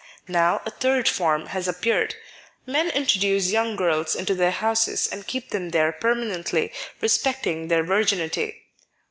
Now a third form has appeared : men introduce young girls into their houses and keep them there 74 Married Love permanently, respecting their virginity.